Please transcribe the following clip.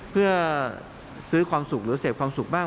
เพื่อซื้อความสุขหรือเสพความสุขบ้าง